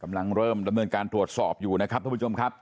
กำลังเริ่มดำเนินการตรวจสอบอยู่นะครับทุกผู้ชมครับ